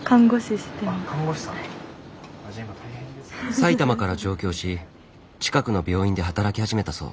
埼玉から上京し近くの病院で働き始めたそう。